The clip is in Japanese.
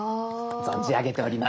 存じ上げております。